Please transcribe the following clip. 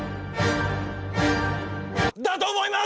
だと思います！